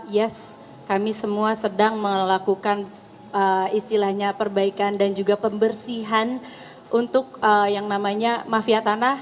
yes kami semua sedang melakukan istilahnya perbaikan dan juga pembersihan untuk yang namanya mafia tanah